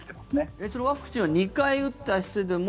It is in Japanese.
それはワクチンを２回打った人でも